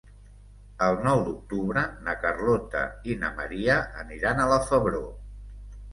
El nou d'octubre na Carlota i na Maria aniran a la Febró.